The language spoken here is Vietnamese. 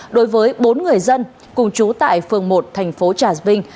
đối với bốn người dân cùng chú tại phường một thành phố trà vinh